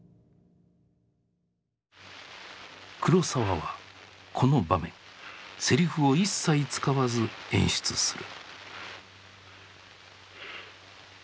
黒澤はこの場面セリフを一切使わず演出する。